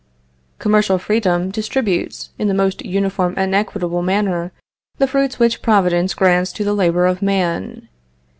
Commercial freedom distributes, in the most uniform and equitable manner, the fruits which Providence grants to the labor of man.